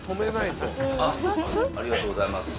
ありがとうございます。